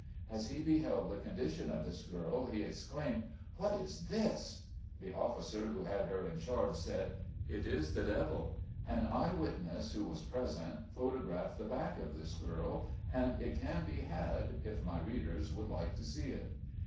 As he beheld the condition of this girl, he exclaimed, " What is this !" The officer who had her in charge said, "It is the devil." An eye wit ness who was present photographed the back of this girl, and it can be had if my readers would like to see it.